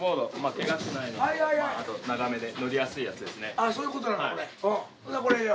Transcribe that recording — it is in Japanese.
あそういうことなのこれ。